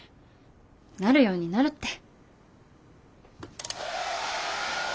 なるようになるって。